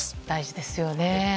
大事ですよね。